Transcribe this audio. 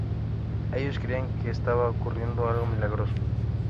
Ellos creían que estaba ocurriendo algo milagroso.